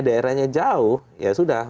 daerahnya jauh ya sudah